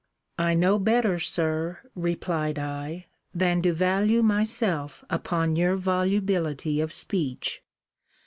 I know better, Sir, replied I, than to value myself upon your volubility of speech.